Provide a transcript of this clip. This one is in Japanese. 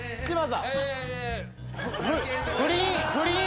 嶋佐。